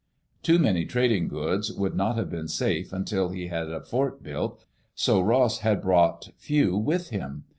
Too many trading goods would not have been safe until he had a fort built, so Ross had brought few with him.